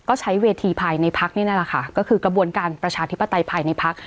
ก็ใช้เวทีภายในพักนี่นั่นแหละค่ะก็คือกระบวนการประชาธิปไตยภายในพัก